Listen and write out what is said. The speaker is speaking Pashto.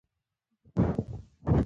هغه باغ دې اوس هم شته.